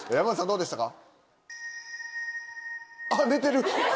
どうでしたか？